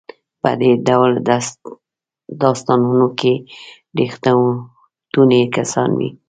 په دې ډول داستانونو کې ریښتوني کسان وي.